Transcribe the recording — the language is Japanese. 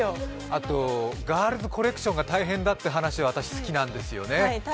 あと、ガールズコレクションが大変だって話は私、好きなんですよね。